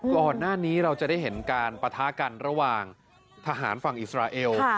ก่อนหน้านี้เราจะได้เห็นการปะทะกันระหว่างทหารฝั่งอิสราเอล